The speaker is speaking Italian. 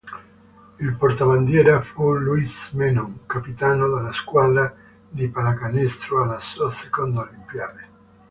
Il portabandiera fu Luiz Menon, capitano della squadra di pallacanestro, alla sua seconda Olimpiade.